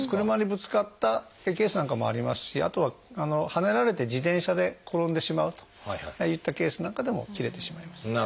車にぶつかったケースなんかもありますしあとははねられて自転車で転んでしまうといったケースなんかでも切れてしまいます。